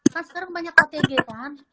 kan sekarang banyak otg kan